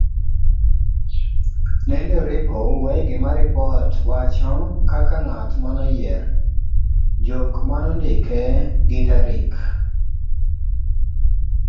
Nendi oripo wuo e gima ripot wacho ,kaka ngat manoyier, jok manondike gi tarik.